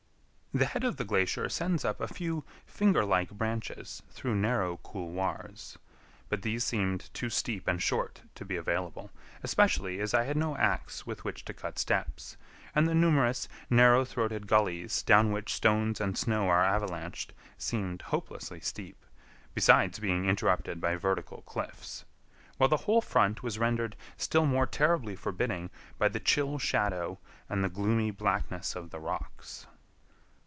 The head of the glacier sends up a few finger like branches through narrow couloirs; but these seemed too steep and short to be available, especially as I had no ax with which to cut steps, and the numerous narrow throated gullies down which stones and snow are avalanched seemed hopelessly steep, besides being interrupted by vertical cliffs; while the whole front was rendered still more terribly forbidding by the chill shadow and the gloomy blackness of the rocks.